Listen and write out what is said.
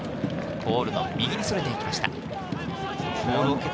ゴールの右に逸れていきました。